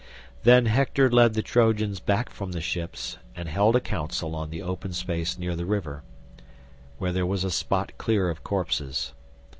Then Hector led the Trojans back from the ships, and held a council on the open space near the river, where there was a spot clear of corpses.